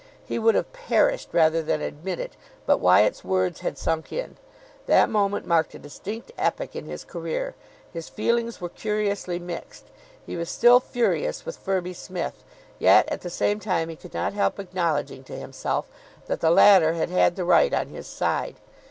He would have perished rather than admit it, but Wyatt's words had sunk in. That moment marked a distinct epoch in his career. His feelings were curiously mixed. He was still furious with Firby Smith, yet at the same time he could not help acknowledging to himself that the latter had had the right on his side.